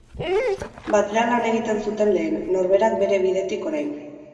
Batera lan egiten zuten lehen, norberak bere bidetik orain.